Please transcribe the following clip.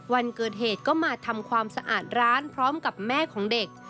วันเกิดเหตุก็มาทำความสะอาดร้านพร้อมกับแม่ของเด็ก